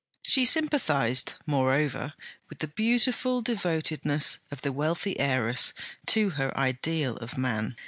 She sympathized, moreover, with the beautiful devotedness of the wealthy heiress to her ideal of man.